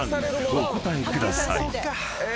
お答えください］え